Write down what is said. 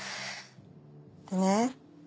でね。